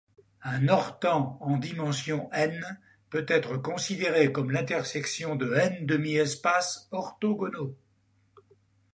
Un orthant en dimension n peut être considéré comme l'Intersection de n demi-espaces orthogonaux.